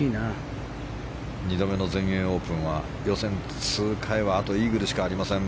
２度目の全英オープンは予選通過へはあとイーグルしかありません。